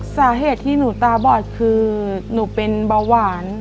สาเหตุที่หนูตาบอดคือหนูเป็นเบาหวาน